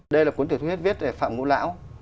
đây là cuốn tiểu thuyết viết về phạm ngũ lão